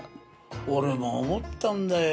俺も思ったんだよ。